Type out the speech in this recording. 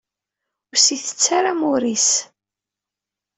Ur as-yettett ara amur-is.